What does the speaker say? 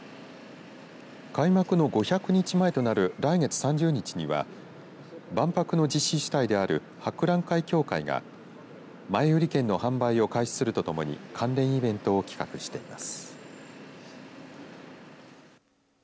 開幕の５００日前となる来月３０日には万博の実施主体である博覧会協会が前売り券の販売を開始するとともに関連イベントを企画しています。